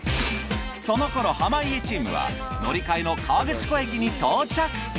その頃濱家チームは乗り換えの河口湖駅に到着。